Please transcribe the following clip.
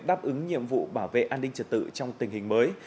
đáp ứng nhiệm vụ bảo vệ an ninh trật tự trong tình hình mới